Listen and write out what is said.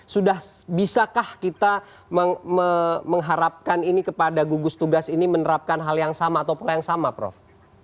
sudah bisakah kita mengharapkan ini kepada gugus tugas ini menerapkan hal yang sama atau pola yang sama prof